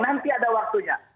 nanti ada waktunya